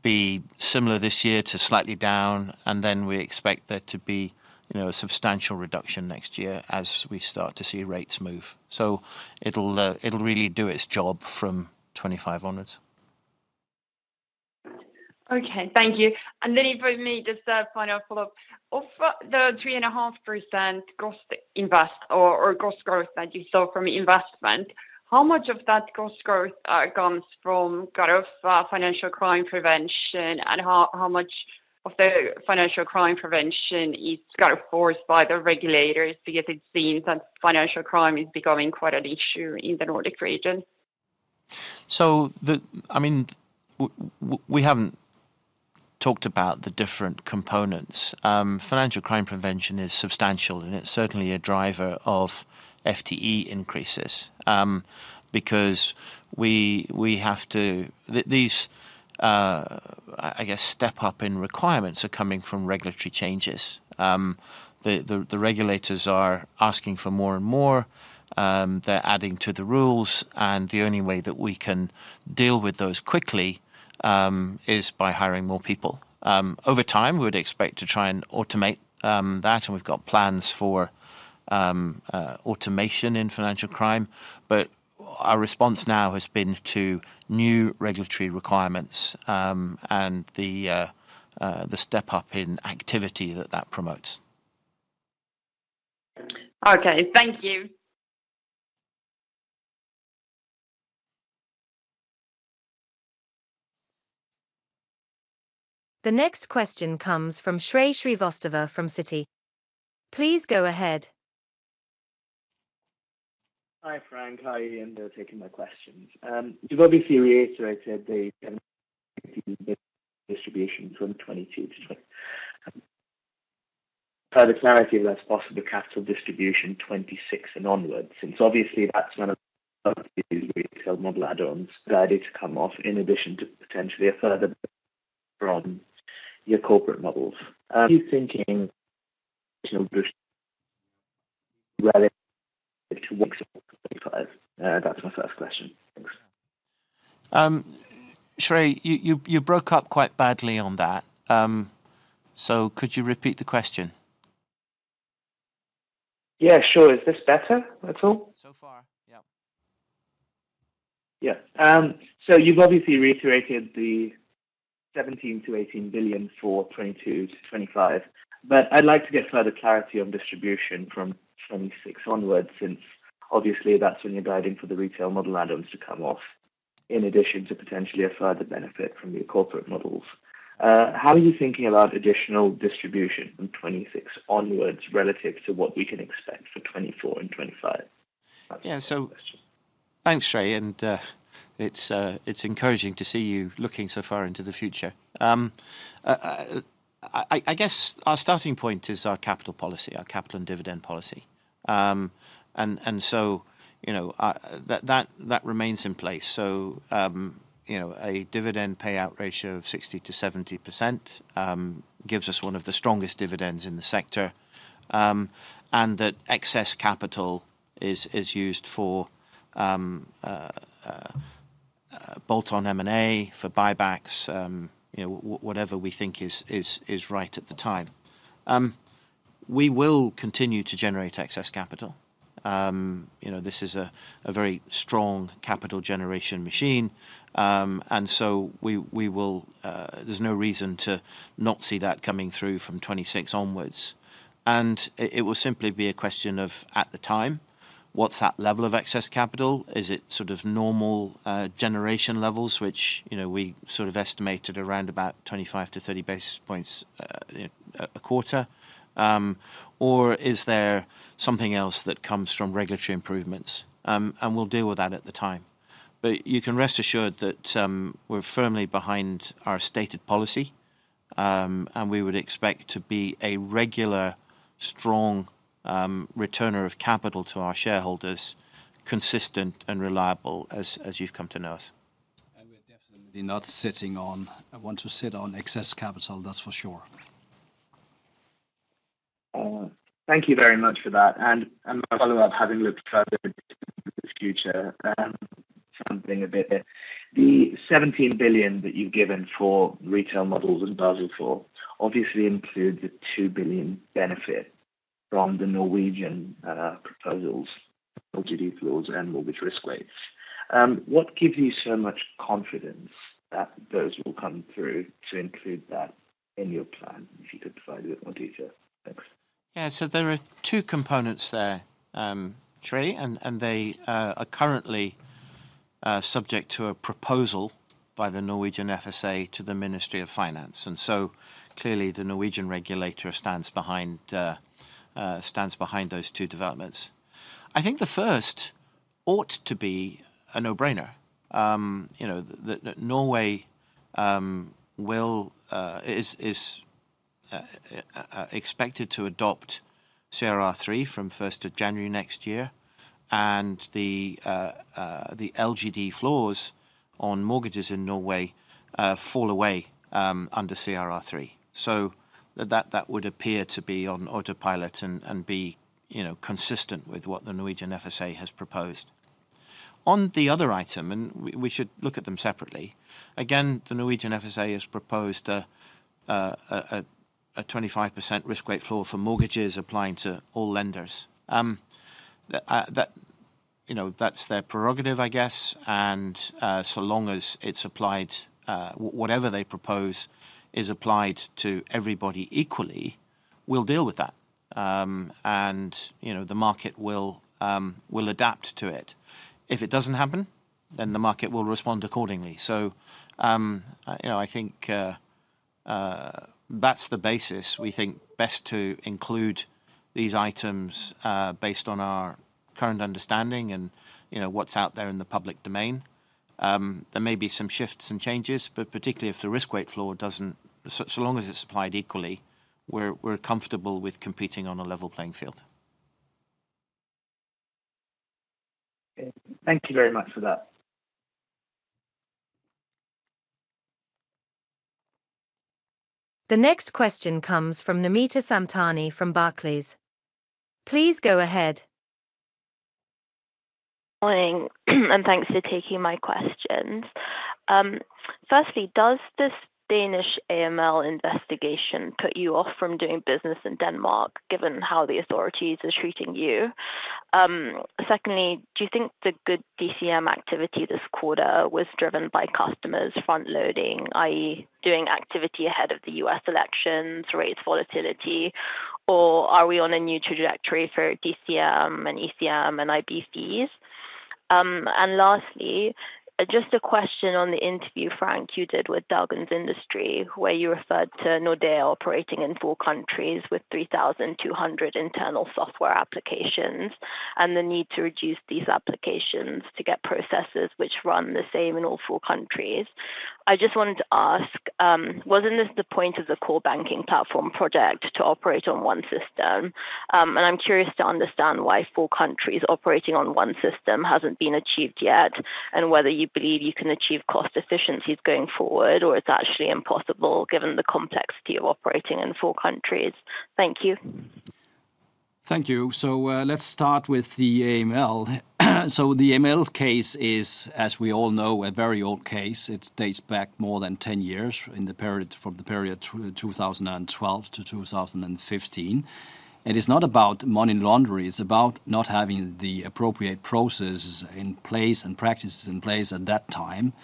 S5: Be similar this year to slightly down, and then we expect there to be, you know, a substantial reduction next year as we start to see rates move. So it'll really do its job from 2025 onwards.
S10: Okay. Thank you. Then if I may, just a final follow-up. Of the 3.5% cost investment or cost growth that you saw from investment, how much of that cost growth comes from kind of financial crime prevention? And how much of the financial crime prevention is kind of forced by the regulators, because it seems that financial crime is becoming quite an issue in the Nordic region?
S5: I mean, we haven't talked about the different components. Financial crime prevention is substantial, and it's certainly a driver of FTE increases, because these, I guess, step up in requirements are coming from regulatory changes. The regulators are asking for more and more. They're adding to the rules, and the only way that we can deal with those quickly is by hiring more people. Over time, we'd expect to try and automate that, and we've got plans for automation in financial crime, but our response now has been to new regulatory requirements, and the step up in activity that promotes.
S10: Okay, thank you.
S3: The next question comes from Shrey Srivastava from Citi. Please go ahead.
S11: Hi, Frank. Hi, and thanks for taking my questions. You've obviously reiterated the distribution from 2022-2026 for the clarity, if that's possible, capital distribution 2026 and onwards, since obviously that's when add-ons guided to come off, in addition to potentially a further from your corporate models. Are you thinking, you know, that's my first question. Thanks.
S5: Shrey, you broke up quite badly on that. So could you repeat the question?
S11: Yeah, sure. Is this better at all?
S5: So far. Yep.
S11: Yeah. So you've obviously reiterated the 17 billion-18 billion for 2022-2025, but I'd like to get further clarity on distribution from 2026 onwards, since obviously, that's when you're guiding for the retail model add-ons to come off, in addition to potentially a further benefit from your corporate models. How are you thinking about additional distribution from 2026 onwards, relative to what we can expect for 2024 and 2025?
S5: Yeah. So- Thanks. Thanks, Shrey, and it's encouraging to see you looking so far into the future. I guess our starting point is our capital policy, our capital and dividend policy. And so, you know, that remains in place. So, you know, a dividend payout ratio of 60%-70% gives us one of the strongest dividends in the sector, and that excess capital is used for bolt-on M&A, for buybacks, you know, whatever we think is right at the time. We will continue to generate excess capital. You know, this is a very strong capital generation machine, and so we will... There's no reason to not see that coming through from 2026 onwards, and it will simply be a question of at the time. What's that level of excess capital? Is it sort of normal generation levels, which, you know, we sort of estimated around about 25-30 basis points a quarter? Or is there something else that comes from regulatory improvements? And we'll deal with that at the time. But you can rest assured that we're firmly behind our stated policy, and we would expect to be a regular, strong returner of capital to our shareholders, consistent and reliable as you've come to know us.
S2: And we're definitely not want to sit on excess capital, that's for sure.
S11: Thank you very much for that. And my follow-up, having looked further into the future, something a bit there. The 17 billion that you've given for retail models in Basel IV obviously include the 2 billion benefit from the Norwegian proposals, LGD floors, and mortgage risk weights. What gives you so much confidence that those will come through to include that in your plan? If you could provide a bit more detail. Thanks.
S5: Yeah. So there are two components there, Shrey, and they are currently subject to a proposal by the Norwegian FSA to the Ministry of Finance. So, clearly, the Norwegian regulator stands behind those two developments. I think the first ought to be a no-brainer. You know, that Norway is expected to adopt CRR3 from first of January next year, and the LGD floors on mortgages in Norway fall away under CRR3. So that would appear to be on autopilot and be, you know, consistent with what the Norwegian FSA has proposed. On the other item, we should look at them separately. Again, the Norwegian FSA has proposed a 25% risk weight floor for mortgages applying to all lenders. That, you know, that's their prerogative, I guess, and so long as it's applied, whatever they propose is applied to everybody equally, we'll deal with that. And, you know, the market will adapt to it. If it doesn't happen, then the market will respond accordingly. So, you know, I think that's the basis. We think best to include these items, based on our current understanding and, you know, what's out there in the public domain. There may be some shifts and changes, but particularly if the risk weight floor doesn't... So, so long as it's applied equally, we're comfortable with competing on a level playing field.
S11: Okay. Thank you very much for that.
S3: The next question comes from Namita Samtani from Barclays. Please go ahead.
S12: Morning, and thanks for taking my questions. Firstly, does this Danish AML investigation put you off from doing business in Denmark, given how the authorities are treating you? Secondly, do you think the good DCM activity this quarter was driven by customers front-loading, i.e., doing activity ahead of the U.S. elections, rates volatility, or are we on a new trajectory for DCM, and ECM, and IBDs? And lastly, just a question on the interview, Frank, you did with Dagens Industri, where you referred to Nordea operating in four countries with 3,200 internal software applications, and the need to reduce these applications to get processes which run the same in all four countries. I just wanted to ask, wasn't this the point of the Core Banking platform project to operate on one system? I'm curious to understand why four countries operating on one system hasn't been achieved yet, and whether you believe you can achieve cost efficiencies going forward, or it's actually impossible given the complexity of operating in four countries. Thank you.
S2: Thank you. So, let's start with the AML. So the AML case is, as we all know, a very old case. It dates back more than 10 years in the period, from the period 2012 to 2015. It is not about money laundering, it's about not having the appropriate processes in place and practices in place at that time.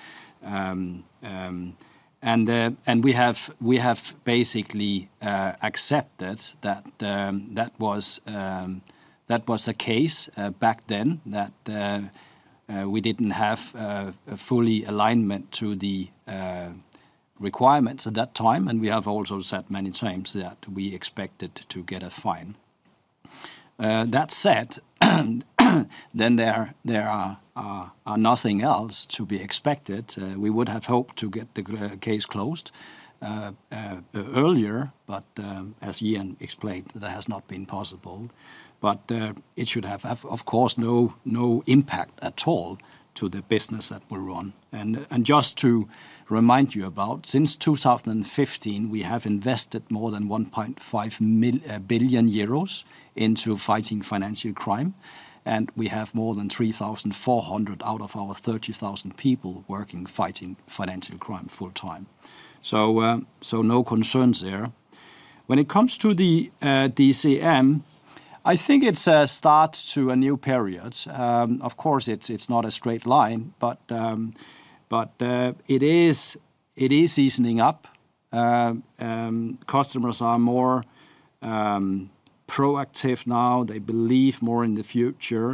S2: And we have basically accepted that that was the case back then, that we didn't have a full alignment to the requirements at that time, and we have also said many times that we expected to get a fine. That said, there is nothing else to be expected. We would have hoped to get the case closed earlier, but as Ian explained, that has not been possible. But it should have, of course, no impact at all to the business that we run. And just to remind you about, since 2015, we have invested more than 1.5 billion euros into fighting financial crime, and we have more than 3,400 out of our 30,000 people working, fighting financial crime full time. So no concerns there. When it comes to the DCM, I think it's a start to a new period. Of course, it's not a straight line, but it is seasoning up... customers are more proactive now. They believe more in the future,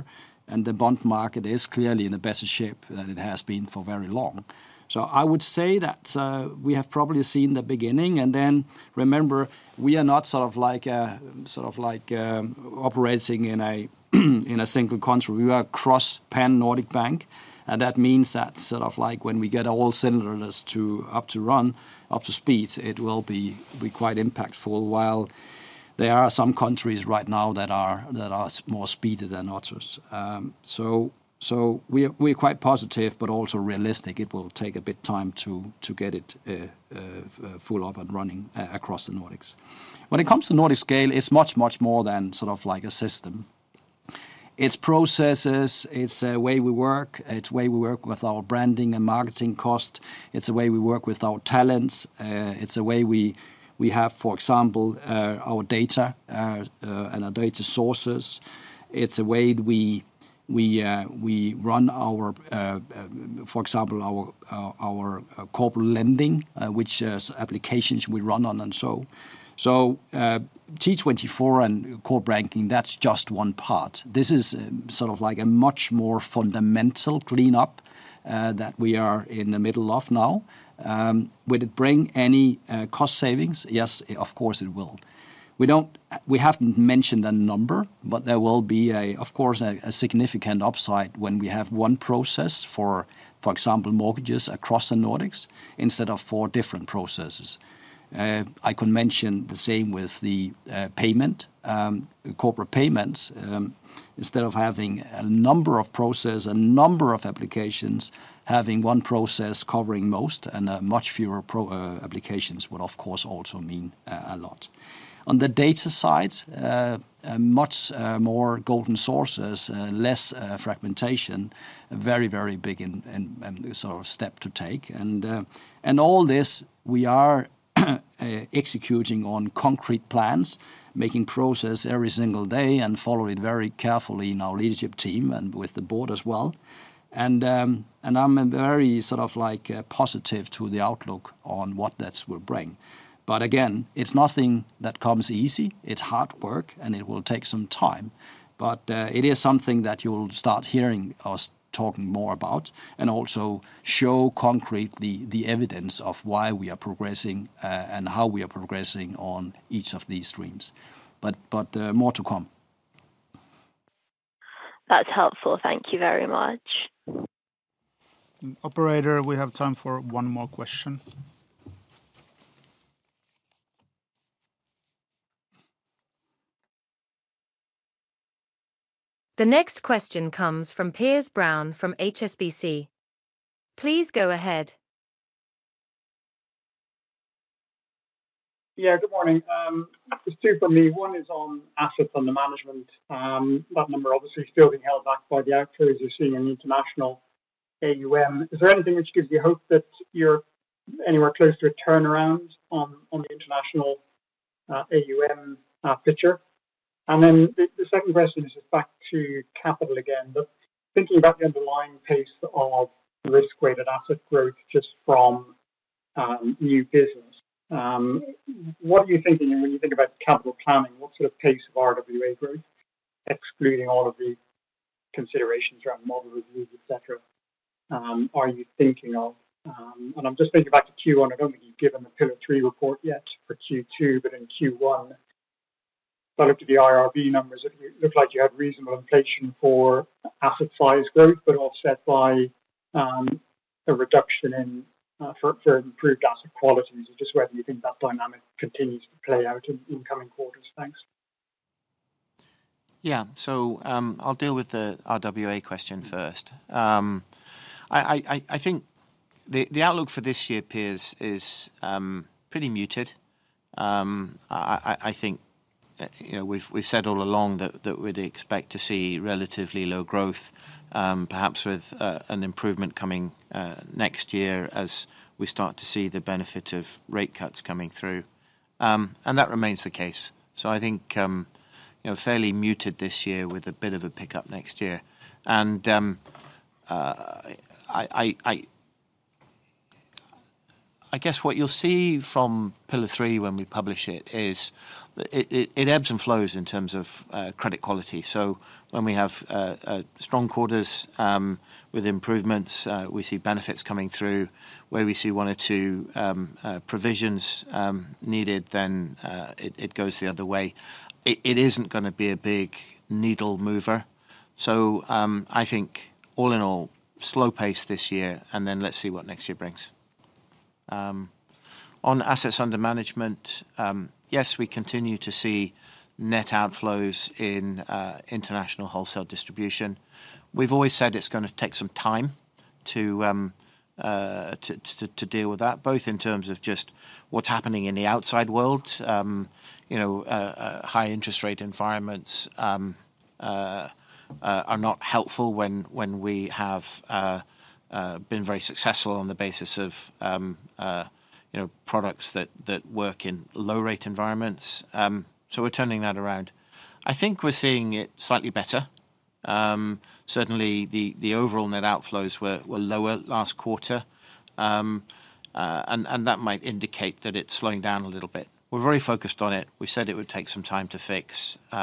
S2: and the bond market is clearly in a better shape than it has been for very long. So I would say that we have probably seen the beginning, and then, remember, we are not sort of like sort of like operating in a single country. We are a cross pan-Nordic bank, and that means that sort of like when we get all cylinders up to run up to speed, it will be quite impactful, while there are some countries right now that are more speedier than others. So we're quite positive but also realistic. It will take a bit time to get it full up and running across the Nordics. When it comes to Nordic scale, it's much, much more than sort of like a system. It's processes, it's a way we work, it's a way we work with our branding and marketing cost. It's a way we work with our talents. It's a way we have, for example, our data and our data sources. It's a way we run our, for example, our corporate lending, which applications we run on and so. So, T24 and Core Banking, that's just one part. This is sort of like a much more fundamental cleanup that we are in the middle of now. Would it bring any cost savings? Yes, of course, it will. We don't-we haven't mentioned a number, but there will be, of course, a significant upside when we have one process for example, mortgages across the Nordics instead of four different processes. I could mention the same with the payment corporate payments. Instead of having a number of process, a number of applications, having one process covering most and much fewer applications would, of course, also mean a lot. On the data side, much more golden sources, less fragmentation, very, very big and sort of step to take. And all this, we are executing on concrete plans, making progress every single day and follow it very carefully in our leadership team and with the board as well. And I'm a very sort of like positive to the outlook on what that will bring. But again, it's nothing that comes easy. It's hard work, and it will take some time, but it is something that you'll start hearing us talking more about and also show concrete the evidence of why we are progressing and how we are progressing on each of these streams. But more to come.
S4: That's helpful. Thank you very much.
S1: Operator, we have time for one more question.
S3: The next question comes from Piers Brown from HSBC. Please go ahead.
S13: Yeah, good morning. There's two for me. One is on assets under management. That number obviously still being held back by the outflows you're seeing in international AUM. Is there anything which gives you hope that you're anywhere close to a turnaround on the international AUM picture? And then the second question is just back to capital again, but thinking about the underlying pace of risk-weighted asset growth just from new business, what are you thinking—and when you think about capital planning, what sort of pace of RWA growth, excluding all of the considerations around model reviews, et cetera, are you thinking of? And I'm just thinking back to Q1. I don't think you've given a Pillar 3 report yet for Q2, but in Q1, if I look at the IRB numbers, it looked like you had reasonable inflation for asset size growth, but offset by a reduction in for improved asset quality. Just whether you think that dynamic continues to play out in incoming quarters? Thanks.
S2: Yeah. So, I'll deal with the RWA question first. I think the outlook for this year, Piers, is pretty muted. I think, you know, we've said all along that we'd expect to see relatively low growth, perhaps with an improvement coming next year as we start to see the benefit of rate cuts coming through. And that remains the case. So I think, you know, fairly muted this year with a bit of a pickup next year. And I guess what you'll see from Pillar 3 when we publish it is, it ebbs and flows in terms of credit quality. So when we have strong quarters with improvements, we see benefits coming through. Where we see one or two provisions needed, then it goes the other way. It isn't gonna be a big needle mover. So, I think all in all, slow pace this year, and then let's see what next year brings. On assets under management, yes, we continue to see net outflows in international wholesale distribution. We've always said it's gonna take some time to deal with that, both in terms of just what's happening in the outside world. You know, high interest rate environments are not helpful when we have been very successful on the basis of you know, products that work in low-rate environments. So we're turning that around. I think we're seeing it slightly better. Certainly, the overall net outflows were lower last quarter. That might indicate that it's slowing down a little bit. We're very focused on it. We said it would take some time to fix. You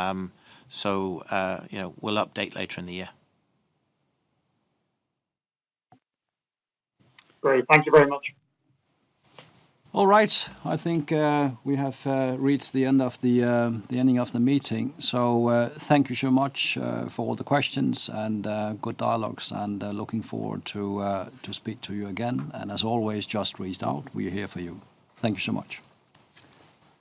S2: know, we'll update later in the year.
S13: Great. Thank you very much.
S2: All right. I think we have reached the end of the ending of the meeting. So thank you so much for all the questions and good dialogues, and looking forward to speak to you again. And as always, just reach out. We're here for you. Thank you so much.